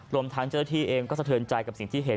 รวมทั้งเจ้าหน้าที่เองก็สะเทินใจกับสิ่งที่เห็น